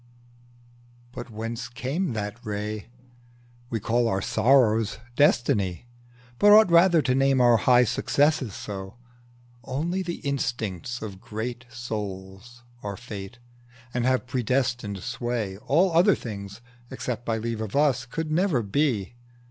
But whence came that ray? We call our sorrows Destiny, but ought Rather to name our high successes so. Only the instincts of great souls are Fate, And have predestined sway: all other things, Except by leave of us, could never be.